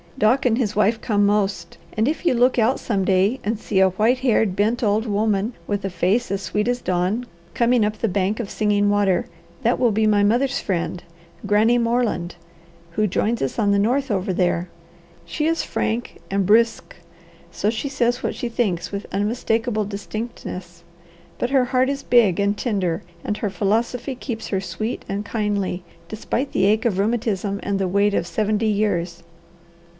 Doc and his wife come most, and if you look out some day and see a white haired, bent old woman, with a face as sweet as dawn, coming up the bank of Singing Water, that will be my mother's friend, Granny Moreland, who joins us on the north over there. She is frank and brusque, so she says what she thinks with unmistakable distinctness, but her heart is big and tender and her philosophy keeps her sweet and kindly despite the ache of rheumatism and the weight of seventy years."